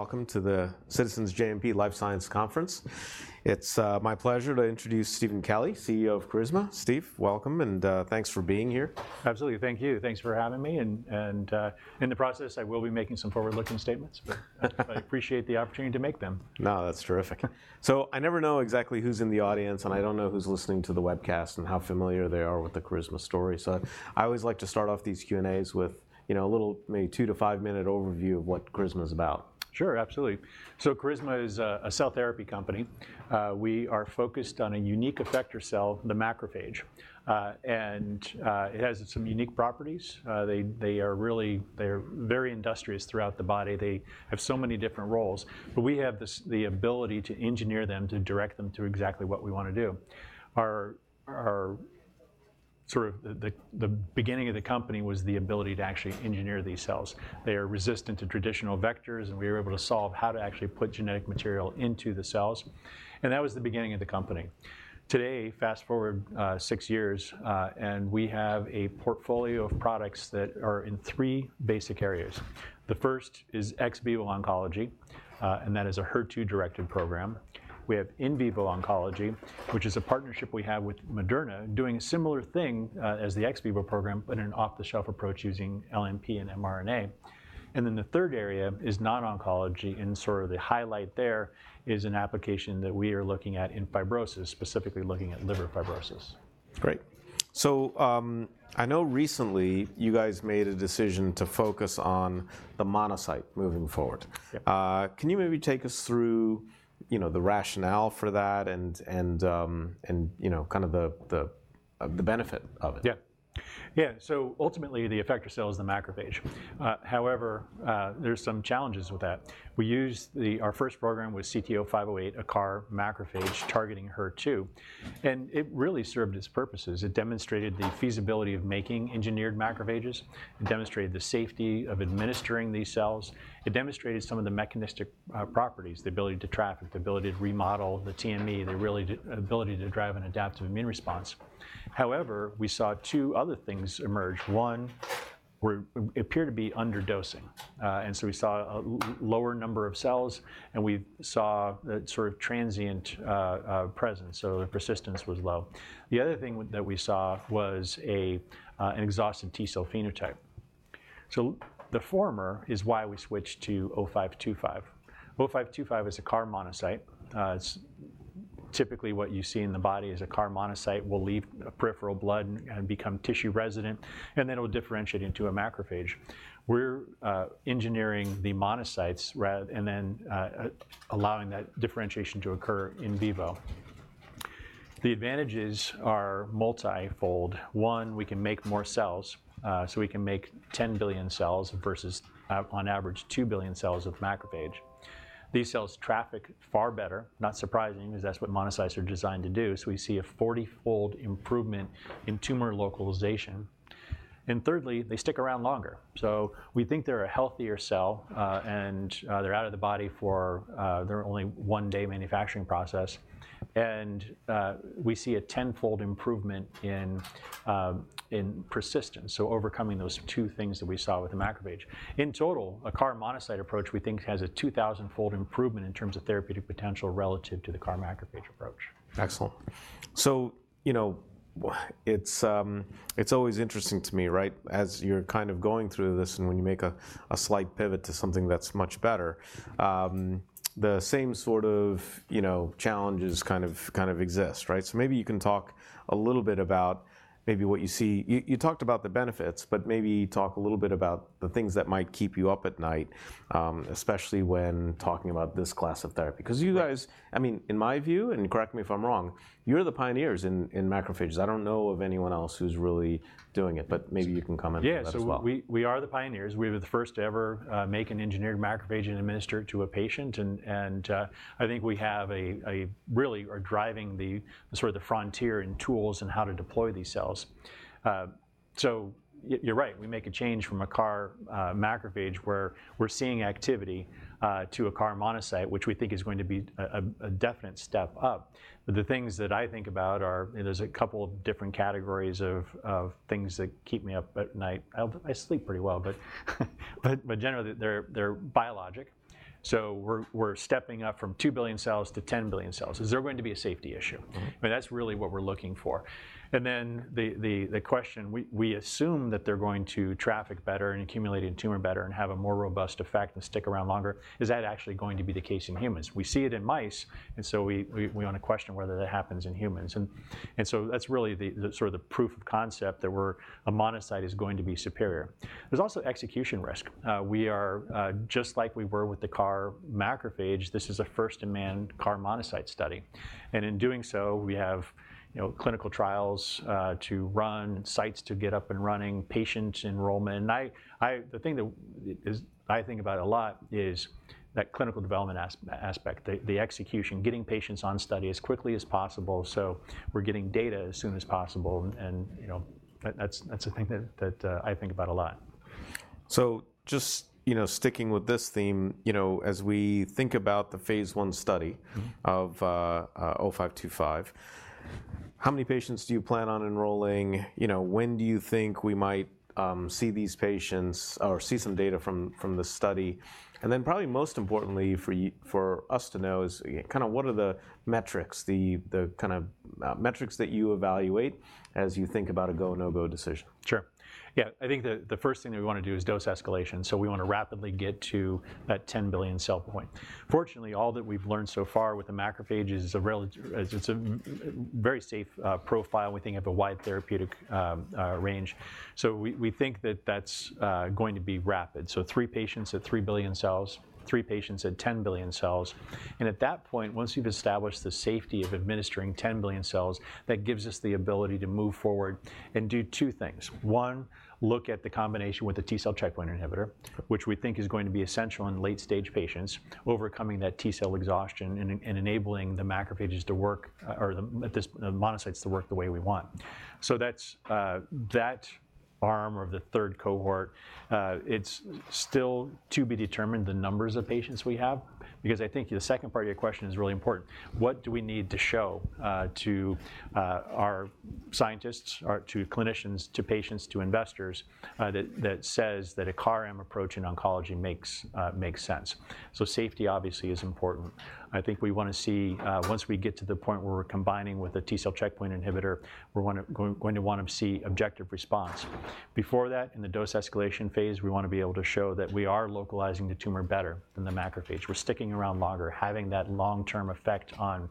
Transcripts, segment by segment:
Welcome to the Citizens JMP Life Science Conference. It's my pleasure to introduce Steven Kelly, CEO of Carisma. Steve, welcome, and thanks for being here. Absolutely. Thank you. Thanks for having me, and in the process, I will be making some forward-looking statements. But I appreciate the opportunity to make them. No, that's terrific. So I never know exactly who's in the audience, and I don't know who's listening to the webcast and how familiar they are with the Carisma story. So I always like to start off these Q&A's with, you know, a little maybe 2-5-minute overview of what Carisma's about. Sure, absolutely. So Carisma is a cell therapy company. We are focused on a unique effector cell, the macrophage. And it has some unique properties. They are really—they're very industrious throughout the body. They have so many different roles, but we have this, the ability to engineer them, to direct them to exactly what we wanna do. Our sort of the beginning of the company was the ability to actually engineer these cells. They are resistant to traditional vectors, and we were able to solve how to actually put genetic material into the cells, and that was the beginning of the company. Today, fast-forward, six years, and we have a portfolio of products that are in three basic areas. The first is ex vivo oncology, and that is a HER2-directed program. We have in vivo oncology, which is a partnership we have with Moderna, doing a similar thing, as the ex vivo program, but an off-the-shelf approach using LNP and mRNA. And then the third area is non-oncology, and sort of the highlight there is an application that we are looking at in fibrosis, specifically looking at liver fibrosis. Great. So, I know recently you guys made a decision to focus on the monocyte moving forward. Yeah. Can you maybe take us through, you know, the rationale for that, and you know, kind of the benefit of it? Yeah. Yeah, so ultimately, the effector cell is the macrophage. However, there's some challenges with that. Our first program was CT-0508, a CAR macrophage targeting HER2, and it really served its purposes. It demonstrated the feasibility of making engineered macrophages. It demonstrated the safety of administering these cells. It demonstrated some of the mechanistic properties, the ability to traffic, the ability to remodel the TME, the ability to drive an adaptive immune response. However, we saw two other things emerge. One, we appeared to be underdosing, and so we saw a lower number of cells, and we saw a sort of transient presence, so the persistence was low. The other thing that we saw was an exhausted T cell phenotype. So the former is why we switched to CT-0525. CT-0525 is a CAR monocyte. It's typically what you see in the body is a CAR monocyte will leave peripheral blood and become tissue resident, and then it'll differentiate into a macrophage. We're engineering the monocytes rather, and then allowing that differentiation to occur in vivo. The advantages are multifold. One, we can make more cells, so we can make 10 billion cells versus, on average, 2 billion cells of macrophage. These cells traffic far better, not surprising, 'cause that's what monocytes are designed to do. So we see a 40-fold improvement in tumor localization, and thirdly, they stick around longer. So we think they're a healthier cell, and they're out of the body for their only one-day manufacturing process. And we see a 10-fold improvement in persistence, so overcoming those two things that we saw with the macrophage. In total, a CAR monocyte approach, we think, has a 2,000-fold improvement in terms of therapeutic potential relative to the CAR macrophage approach. Excellent. So, you know, it's always interesting to me, right? As you're kind of going through this, and when you make a slight pivot to something that's much better, the same sort of, you know, challenges kind of exist, right? So maybe you can talk a little bit about maybe what you see... You talked about the benefits, but maybe talk a little bit about the things that might keep you up at night, especially when talking about this class of therapy. 'Cause you guys—I mean, in my view, and correct me if I'm wrong, you're the pioneers in macrophages. I don't know of anyone else who's really doing it, but maybe you can comment on that as well. Yeah, so we are the pioneers. We were the first to ever make an engineered macrophage and administer it to a patient, and I think we really are driving the sort of the frontier in tools and how to deploy these cells. So you're right, we make a change from a CAR macrophage, where we're seeing activity, to a CAR monocyte, which we think is going to be a definite step up. But the things that I think about are, you know, there's a couple of different categories of things that keep me up at night. I sleep pretty well, but generally, they're biologic, so we're stepping up from 2 billion cells to 10 billion cells. Is there going to be a safety issue? Mm-hmm. I mean, that's really what we're looking for. And then the question... We assume that they're going to traffic better and accumulate in tumor better and have a more robust effect and stick around longer. Is that actually going to be the case in humans? We see it in mice, and so we wanna question whether that happens in humans. And so that's really the sort of the proof of concept that we're- a monocyte is going to be superior. There's also execution risk. We are just like we were with the CAR macrophage, this is a first-in-man CAR monocyte study. And in doing so, we have, you know, clinical trials to run, sites to get up and running, patient enrollment. The thing I think about a lot is that clinical development aspect, the execution, getting patients on study as quickly as possible, so we're getting data as soon as possible. You know, that's the thing I think about a lot. Just, you know, sticking with this theme, you know, as we think about the phase I study- Mm-hmm... of CT-0525. How many patients do you plan on enrolling? You know, when do you think we might see these patients or see some data from the study? And then probably most importantly for us to know is kind of what are the metrics, the kind of metrics that you evaluate as you think about a go, no-go decision? Sure. Yeah, I think the first thing that we wanna do is dose escalation, so we wanna rapidly get to that 10 billion cell point. Fortunately, all that we've learned so far with the macrophages is a relative... It's a very safe profile. We think you have a wide therapeutic range. So we think that that's going to be rapid. So 3 patients at 3 billion cells, 3 patients at 10 billion cells, and at that point, once you've established the safety of administering 10 billion cells, that gives us the ability to move forward and do two things. One, look at the combination with the T cell checkpoint inhibitor- Sure... which we think is going to be essential in late stage patients, overcoming that T cell exhaustion, and enabling the macrophages to work, or the monocytes to work the way we want. So that's that arm of the third cohort, it's still to be determined the numbers of patients we have, because I think the second part of your question is really important. What do we need to show to our scientists, or to clinicians, to patients, to investors, that says that a CAR-M approach in oncology makes sense? So safety, obviously, is important. I think we wanna see, once we get to the point where we're combining with a T cell checkpoint inhibitor, we're going to want to see objective response. Before that, in the dose escalation phase, we wanna be able to show that we are localizing the tumor better than the macrophage. We're sticking around longer, having that long-term effect on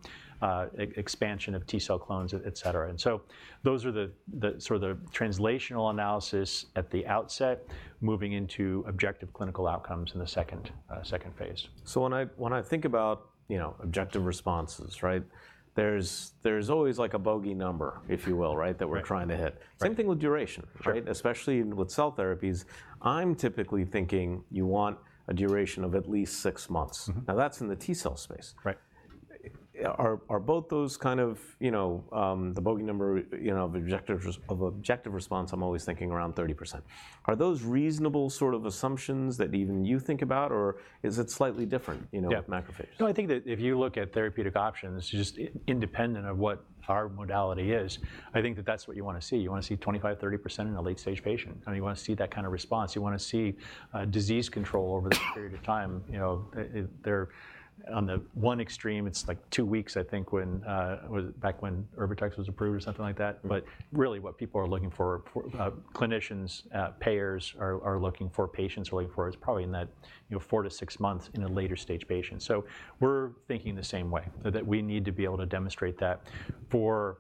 expansion of T cell clones, etc. And so those are the sort of translational analysis at the outset, moving into objective clinical outcomes in the second phase. So when I think about, you know, objective responses, right? There's always, like, a bogey number, if you will, right- Right... that we're trying to hit. Right. Same thing with duration. Sure. Right? Especially with cell therapies, I'm typically thinking you want a duration of at least six months. Mm-hmm. Now, that's in the T cell space. Right. Are both those kind of, you know, the bogey number, you know, the objective response, I'm always thinking around 30%. Are those reasonable sort of assumptions that even you think about, or is it slightly different? Yeah... you know, with macrophages? No, I think that if you look at therapeutic options, just independent of what our modality is, I think that that's what you wanna see. You wanna see 25%-30% in a late stage patient, and you wanna see that kind of response. You wanna see disease control over a period of time. You know, on the one extreme, it's like two weeks, I think, when was it back when Erbitux was approved or something like that? Mm. But really, what people are looking for, for clinicians, payers are looking for, patients are looking for, is probably in that, you know, 4-6 months in a later stage patient. So we're thinking the same way, that we need to be able to demonstrate that. For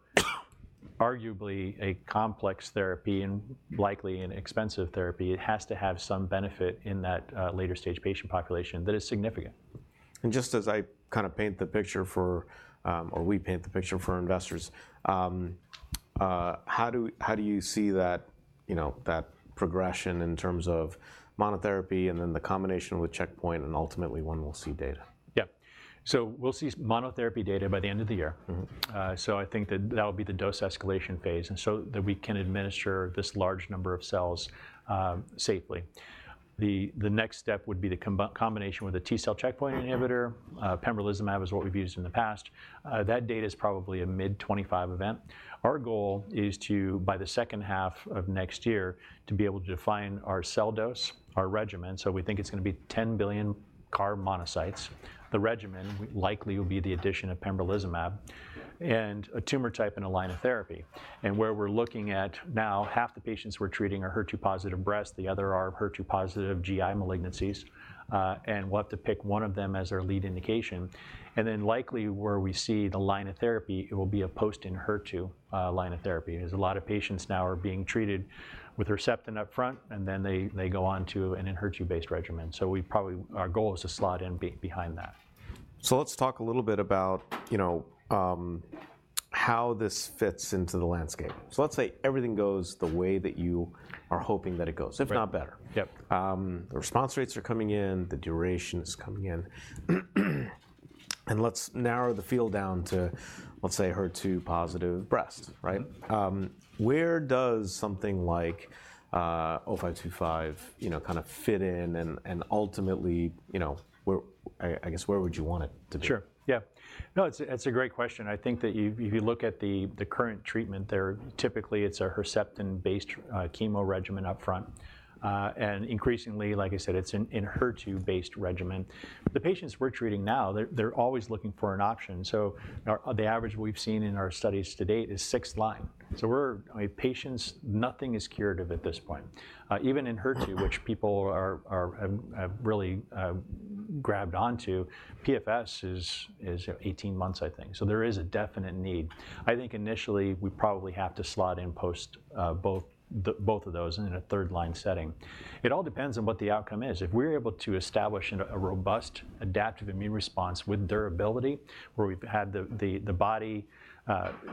arguably a complex therapy and likely an expensive therapy, it has to have some benefit in that later stage patient population that is significant. Just as I kind of paint the picture for, or we paint the picture for investors, how do you see that, you know, that progression in terms of monotherapy, and then the combination with checkpoint, and ultimately when we'll see data? Yeah. So we'll see monotherapy data by the end of the year. Mm-hmm. So I think that that will be the dose escalation phase, and so that we can administer this large number of cells safely. The next step would be the combination with a T cell checkpoint inhibitor. Mm-hmm. pembrolizumab is what we've used in the past. That date is probably a mid-2025 event. Our goal is to, by the second half of next year, to be able to define our cell dose, our regimen, so we think it's gonna be 10 billion CAR monocytes. The regimen likely will be the addition of pembrolizumab- Yeah ... and a tumor type and a line of therapy. And where we're looking at now, half the patients we're treating are HER2-positive breast, the other are HER2-positive GI malignancies. And we'll have to pick one of them as our lead indication, and then likely where we see the line of therapy, it will be a post-HER2 line of therapy. There's a lot of patients now are being treated with Herceptin upfront, and then they go on to an Enhertu-based regimen. So we probably... Our goal is to slot in behind that. So let's talk a little bit about, you know, how this fits into the landscape. So let's say everything goes the way that you are hoping that it goes- Right... if not better. Yep. The response rates are coming in, the duration is coming in. And let's narrow the field down to, let's say, HER2-positive breast, right? Mm-hmm. Where does something like 0525, you know, kind of fit in and ultimately, you know, where... I guess, where would you want it to be? Sure. Yeah. No, it's a great question. I think that you, if you look at the current treatment there, typically it's a HERCEPTIN-based chemo regimen upfront. And increasingly, like I said, it's an ENHERTU-based regimen. The patients we're treating now, they're always looking for an option. So our... The average we've seen in our studies to date is sixth line, so we're... I mean, patients, nothing is curative at this point. Even in ENHERTU, which people are, have really grabbed onto, PFS is 18 months, I think. So there is a definite need. I think initially we probably have to slot in post both the, both of those in a third line setting. It all depends on what the outcome is. If we're able to establish a robust adaptive immune response with durability, where we've had the body,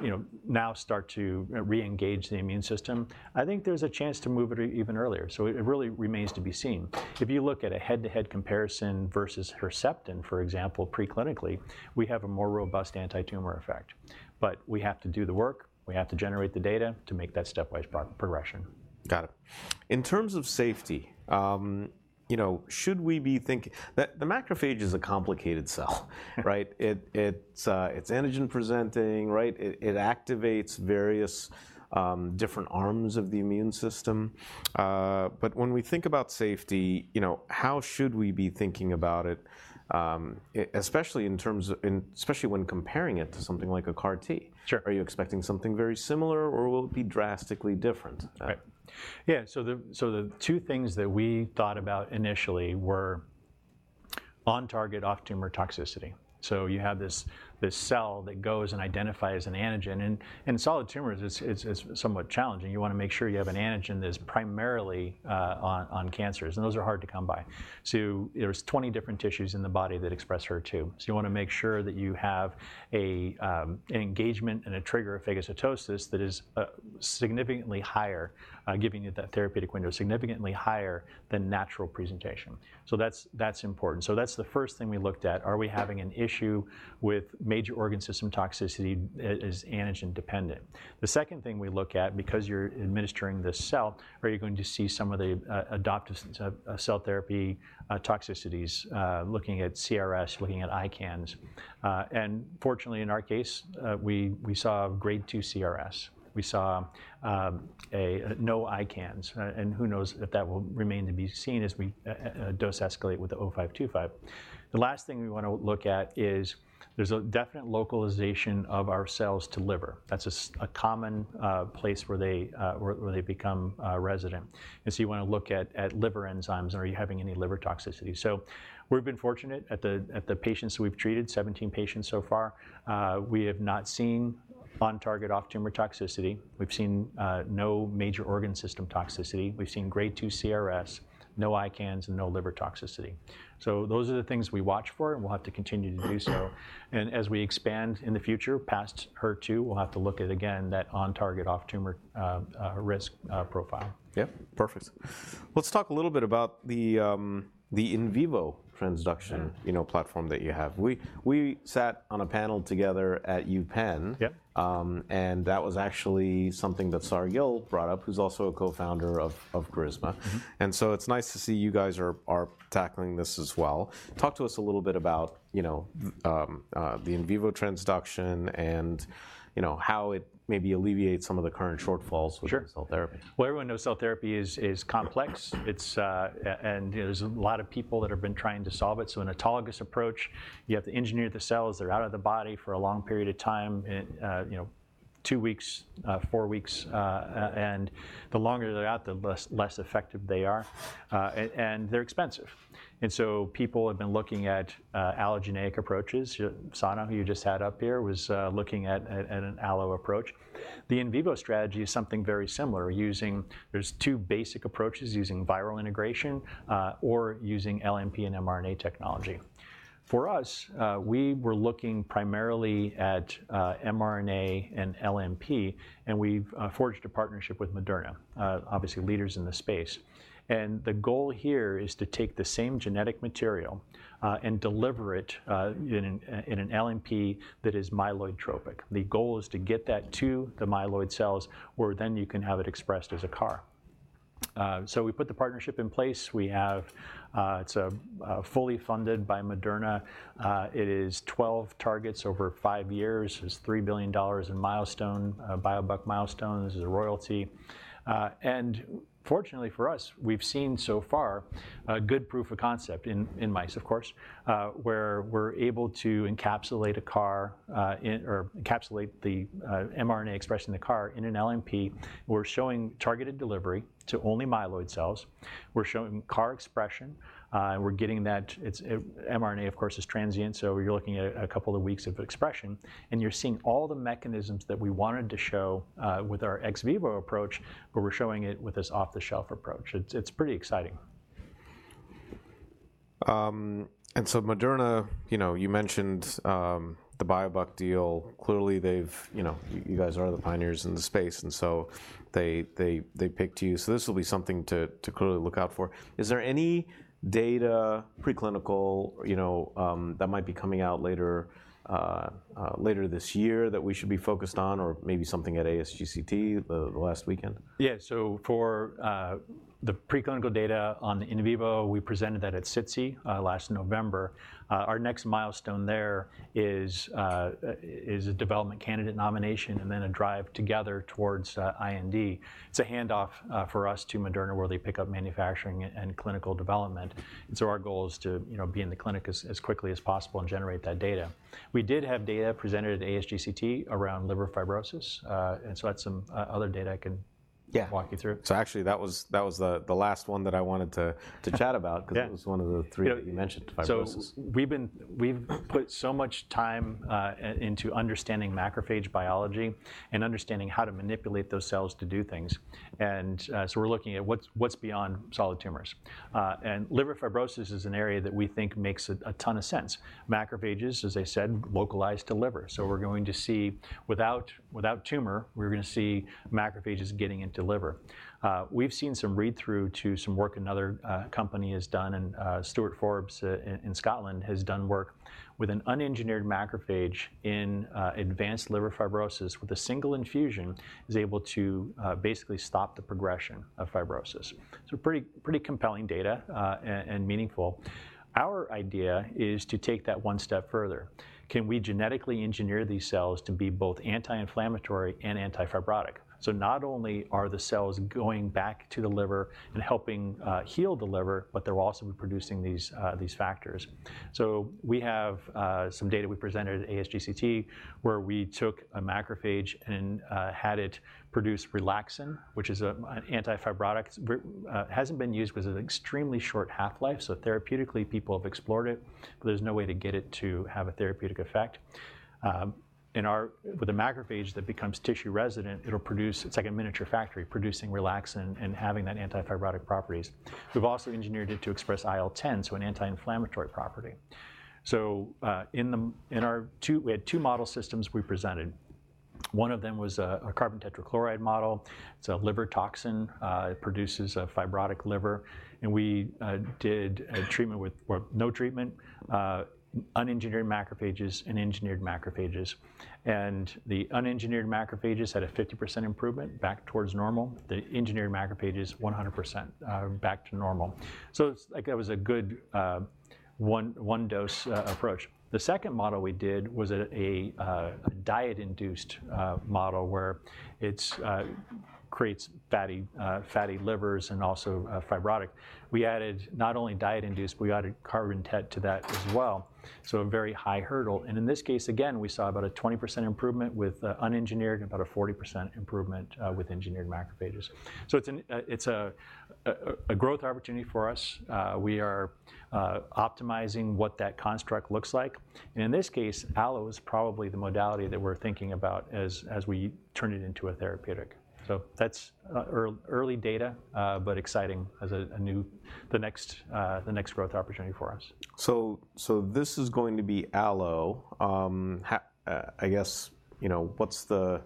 you know, now start to re-engage the immune system, I think there's a chance to move it even earlier. So it really remains to be seen. If you look at a head-to-head comparison versus HERCEPTIN, for example, preclinically, we have a more robust anti-tumor effect. But we have to do the work, we have to generate the data to make that stepwise progression. Got it. In terms of safety, you know, should we be thinking the macrophage is a complicated cell, right? It's antigen presenting, right? It activates various different arms of the immune system. But when we think about safety, you know, how should we be thinking about it, especially in terms of, especially when comparing it to something like a CAR T? Sure. Are you expecting something very similar, or will it be drastically different? Right. Yeah, so the two things that we thought about initially were on-target, off-tumor toxicity. So you have this cell that goes and identifies an antigen, and in solid tumors, it's somewhat challenging. You wanna make sure you have an antigen that's primarily on cancers, and those are hard to come by. So there's 20 different tissues in the body that express HER2, so you wanna make sure that you have an engagement and a trigger of phagocytosis that is significantly higher, giving you that therapeutic window, significantly higher than natural presentation. So that's important. So that's the first thing we looked at: Are we having an issue with major organ system toxicity and is antigen dependent? The second thing we look at, because you're administering this cell, are you going to see some of the adoptive cell therapy toxicities, looking at CRS, looking at ICANS? And fortunately, in our case, we saw grade 2 CRS. We saw no ICANS, and who knows if that will remain to be seen as we dose escalate with the 0525. The last thing we wanna look at is there's a definite localization of our cells to the liver. That's a common place where they become resident. And so you wanna look at liver enzymes, and are you having any liver toxicity? So we've been fortunate in the patients we've treated, 17 patients so far. We have not seen on-target, off-tumor toxicity. We've seen no major organ system toxicity. We've seen grade 2 CRS, no ICANS, and no liver toxicity. So those are the things we watch for, and we'll have to continue to do so. And as we expand in the future past HER2, we'll have to look at, again, that on-target, off-tumor risk profile. Yeah, perfect. Let's talk a little bit about the in vivo transduction- Mm... you know, platform that you have. We, we sat on a panel together at UPenn. Yep. And that was actually something that Saar Gill brought up, who's also a co-founder of Carisma. Mm-hmm. So it's nice to see you guys are tackling this as well. Talk to us a little bit about, you know, the in vivo transduction and, you know, how it maybe alleviates some of the current shortfalls. Sure... with cell therapy. Well, everyone knows cell therapy is complex. And you know, there's a lot of people that have been trying to solve it, so an autologous approach, you have to engineer the cells. They're out of the body for a long period of time, and you know, 2 weeks, 4 weeks. And the longer they're out, the less effective they are. And they're expensive, and so people have been looking at allogeneic approaches. Sana, who you just had up here, was looking at an allo approach. The in vivo strategy is something very similar, using... There's 2 basic approaches, using viral integration or using LNP and mRNA technology. For us, we were looking primarily at mRNA and LNP, and we've forged a partnership with Moderna, obviously, leaders in the space. The goal here is to take the same genetic material and deliver it in an LNP that is myeloid-tropic. The goal is to get that to the myeloid cells, where then you can have it expressed as a CAR. So we put the partnership in place. It's fully funded by Moderna. It is 12 targets over 5 years. There's $3 billion in milestone biobuck milestones. There's a royalty. And fortunately for us, we've seen so far a good proof of concept in mice, of course, where we're able to encapsulate a CAR or encapsulate the mRNA expressed in the CAR in an LNP. We're showing targeted delivery to only myeloid cells. We're showing CAR expression. And we're getting that it's... mRNA, of course, is transient, so you're looking at a couple of weeks of expression, and you're seeing all the mechanisms that we wanted to show with our ex vivo approach, but we're showing it with this off-the-shelf approach. It's, it's pretty exciting. And so Moderna, you know, you mentioned the biobuck deal. Clearly, they've... You know, you guys are the pioneers in the space, and so they picked you. So this will be something to clearly look out for. Is there any data, preclinical, you know, that might be coming out later this year that we should be focused on, or maybe something at ASGCT, the last weekend? Yeah, so for the preclinical data on the in vivo, we presented that at SITC last November. Our next milestone there is a development candidate nomination and then a drive together towards IND. It's a handoff for us to Moderna, where they pick up manufacturing and clinical development, and so our goal is to, you know, be in the clinic as quickly as possible and generate that data. We did have data presented at ASGCT around liver fibrosis, and so I had some other data I can- Yeah... walk you through. So actually, that was the last one that I wanted to chat about- Yeah... 'cause it was one of the three that you mentioned, fibrosis. So we've put so much time into understanding macrophage biology, and understanding how to manipulate those cells to do things, and so we're looking at what's beyond solid tumors? And liver fibrosis is an area that we think makes a ton of sense. Macrophages, as I said, localized to liver, so we're going to see... Without tumor, we're gonna see macrophages getting into liver. We've seen some read-through to some work another company has done, and Stuart Forbes in Scotland has done work with an unengineered macrophage in advanced liver fibrosis, with a single infusion, is able to basically stop the progression of fibrosis. So pretty compelling data and meaningful. Our idea is to take that one step further. Can we genetically engineer these cells to be both anti-inflammatory and anti-fibrotic? So not only are the cells going back to the liver and helping heal the liver, but they're also producing these factors. So we have some data we presented at ASGCT, where we took a macrophage and had it produce relaxin, which is an anti-fibrotic. It hasn't been used, because of extremely short half-life, so therapeutically, people have explored it, but there's no way to get it to have a therapeutic effect. With a macrophage that becomes tissue-resident, it'll produce. It's like a miniature factory, producing relaxin and having that anti-fibrotic properties. We've also engineered it to express IL-10, so an anti-inflammatory property. So we had 2 model systems we presented. One of them was a carbon tetrachloride model. It's a liver toxin. It produces a fibrotic liver, and we did a treatment with... well, no treatment, unengineered macrophages, and engineered macrophages. And the unengineered macrophages had a 50% improvement, back towards normal. The engineered macrophages, 100%, back to normal. So it's, like that was a good, one-dose approach. The second model we did was a diet-induced model, where it creates fatty livers, and also fibrotic. We added not only diet-induced, we added carbon tet to that as well, so a very high hurdle. And in this case, again, we saw about a 20% improvement with unengineered, and about a 40% improvement with engineered macrophages. So it's an, it's a growth opportunity for us. We are optimizing what that construct looks like. In this case, allo is probably the modality that we're thinking about as we turn it into a therapeutic. That's early data, but exciting as a new, the next growth opportunity for us. So this is going to be allo. How, I guess, you know, what's the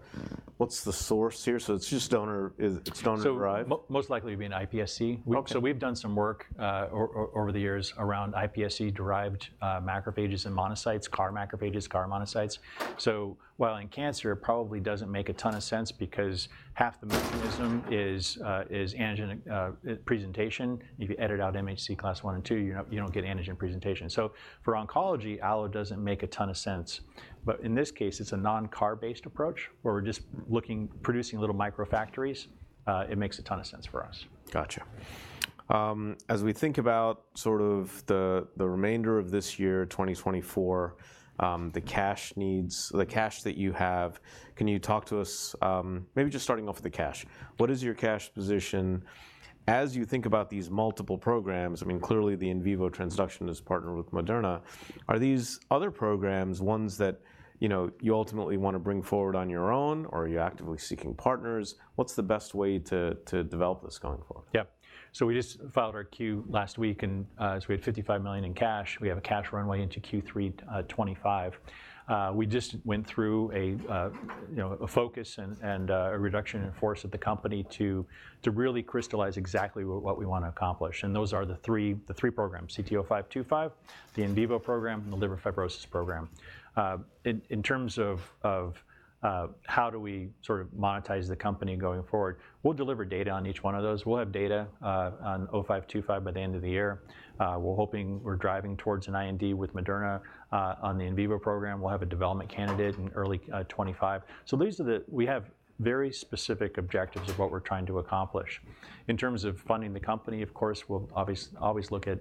source here? So it's just donor, it's donor-derived? Most likely, it'd be an iPSC. Okay. So we've done some work, o- o- over the years around iPSC-derived macrophages and monocytes, CAR macrophages, CAR monocytes. So while in cancer, it probably doesn't make a ton of sense because half the mechanism is antigen presentation. If you edit out MHC class I and II, you're not, you don't get antigen presentation. So for oncology, allo doesn't make a ton of sense. But in this case, it's a non-CAR-based approach, where we're just looking, producing little microfactories. It makes a ton of sense for us. Gotcha. As we think about sort of the remainder of this year, 2024, the cash needs, the cash that you have, can you talk to us... Maybe just starting off with the cash, what is your cash position? As you think about these multiple programs, I mean, clearly, the in vivo transduction is partnered with Moderna. Are these other programs ones that, you know, you ultimately wanna bring forward on your own, or are you actively seeking partners? What's the best way to, to develop this going forward? Yeah. So we just filed our Q last week, and so we had $55 million in cash. We have a cash runway into Q3 2025. We just went through a, you know, a focus and a reduction in force of the company to really crystallize exactly what we wanna accomplish, and those are the three, the three programs: CT-0525, the in vivo program, and the liver fibrosis program. In terms of how do we sort of monetize the company going forward, we'll deliver data on each one of those. We'll have data on CT-0525 by the end of the year. We're hoping... We're driving towards an IND with Moderna. On the in vivo program, we'll have a development candidate in early 2025. So these are. We have very specific objectives of what we're trying to accomplish. In terms of funding the company, of course, we'll always look at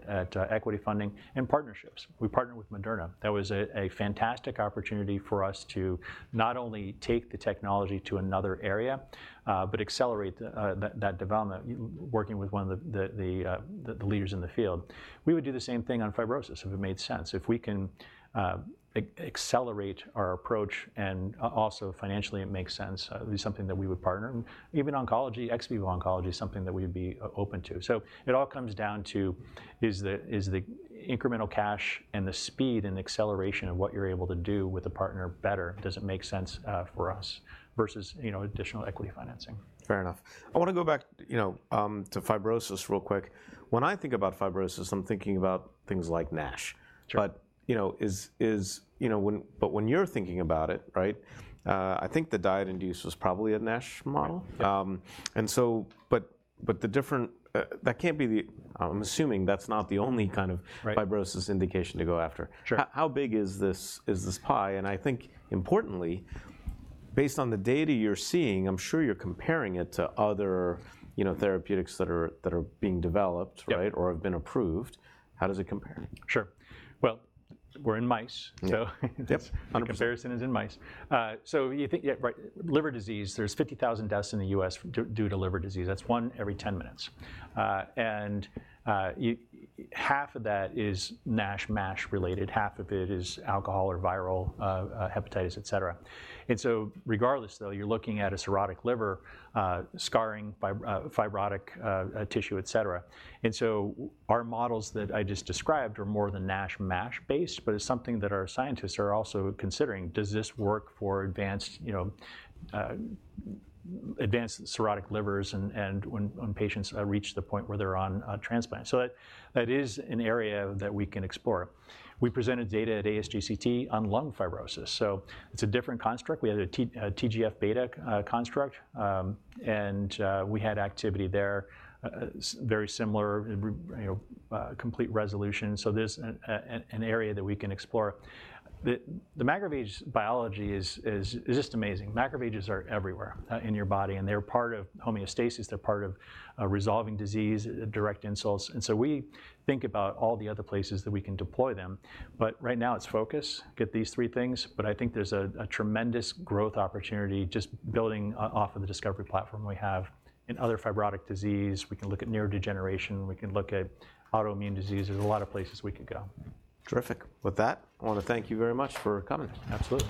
equity funding and partnerships. We partnered with Moderna. That was a fantastic opportunity for us to not only take the technology to another area, but accelerate the development working with one of the leaders in the field. We would do the same thing on fibrosis, if it made sense. If we can accelerate our approach, and also, financially, it makes sense, it's something that we would partner. And even oncology, ex vivo oncology is something that we'd be open to. So it all comes down to, is the incremental cash and the speed and acceleration of what you're able to do with a partner better? Does it make sense for us, versus, you know, additional equity financing? Fair enough. I wanna go back, you know, to fibrosis real quick. When I think about fibrosis, I'm thinking about things like NASH. Sure. But, you know... You know, but when you're thinking about it, right... I think the diet-induced was probably a NASH model. Yeah. And so, but the different, that can't be the... I'm assuming that's not the only kind of- Right... fibrosis indication to go after. Sure. How big is this pie? I think, importantly, based on the data you're seeing, I'm sure you're comparing it to other, you know, therapeutics that are being developed- Yep... right? Or have been approved. How does it compare? Sure. Well, we're in mice- Yep... so Yep, 100%.... the comparison is in mice. So you think, yeah, right, liver disease, there's 50,000 deaths in the U.S. due to liver disease. That's 1 every 10 minutes. And half of that is NASH, MASH-related. Half of it is alcohol or viral hepatitis, etc.. And so regardless, though, you're looking at a cirrhotic liver, scarring, fibrotic tissue, etc.. And so our models that I just described are more the NASH, MASH-based, but it's something that our scientists are also considering. Does this work for advanced, you know, advanced cirrhotic livers, and when patients reach the point where they're on transplant? So that is an area that we can explore. We presented data at ASGCT on lung fibrosis, so it's a different construct. We had a TGF-beta construct, and we had activity there, so very similar, you know, complete resolution, so there's an area that we can explore. The macrophage biology is just amazing. Macrophages are everywhere in your body, and they're part of homeostasis. They're part of resolving disease, direct insults, and so we think about all the other places that we can deploy them. But right now, it's focus, get these three things, but I think there's a tremendous growth opportunity just building off of the discovery platform we have. In other fibrotic disease, we can look at neurodegeneration. We can look at autoimmune disease. There's a lot of places we could go. Terrific. With that, I wanna thank you very much for coming. Absolutely.